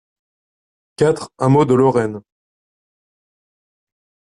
quatre hameau de Lorraine